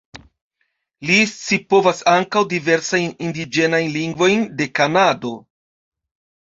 Li scipovas ankaŭ diversajn indiĝenajn lingvojn de Kanado.